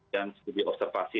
yang sudah di observasi